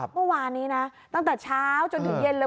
เมื่อวานนี้นะตั้งแต่เช้าจนถึงเย็นเลย